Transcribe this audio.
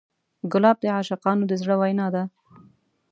ګلاب د عاشقانو د زړه وینا ده.